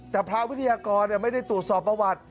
แต่พระวิทยากรไม่ได้ตรวจสอบประวัติ